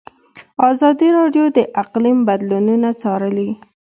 ازادي راډیو د اقلیم بدلونونه څارلي.